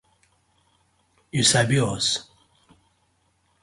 Yu sabi us?